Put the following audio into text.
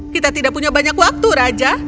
kita tidak punya banyak waktu raja